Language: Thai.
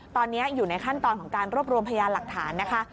ตอนนี้อยู่ในขั้นตอนของการรวบรวมพยานหลักฐานนะคะ